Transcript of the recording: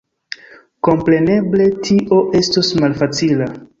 Kompreneble tio estos malfacila.